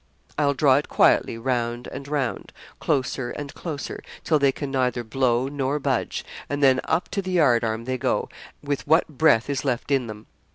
I'll draw it quietly round and round closer and closer till they can neither blow nor budge, and then up to the yardarm they go, with what breath is left in them.